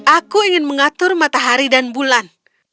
aku ingin mengatur matahari dan bulan